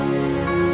papa nggak boleh tahu